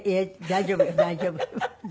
大丈夫大丈夫。